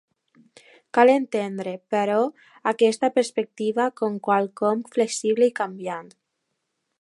Cal entendre, però, aquesta perspectiva com quelcom flexible i canviant.